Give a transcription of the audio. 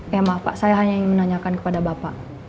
ya maaf pak saya hanya ingin menanyakan kepada bapak